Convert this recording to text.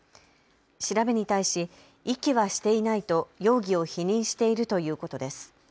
調べに対し遺棄はしていないと容疑を否認しているということです。